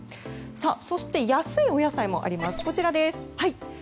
そして、安いお野菜もあります。